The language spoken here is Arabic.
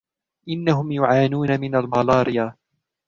انهم يعانون من الملاريا.